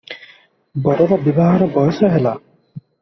ବରର ବିବାହର ବୟସ ହେଲା ।